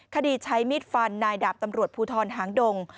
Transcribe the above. คดีใช้มีดฟันนายดาบตำรวจภูทรหางดง